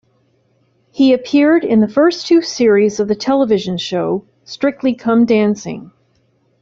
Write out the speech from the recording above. He appeared in the first two series of the television show "Strictly Come Dancing".